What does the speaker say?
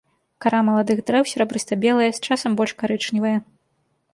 Кара маладых дрэў серабрыста-белая, з часам больш карычневая.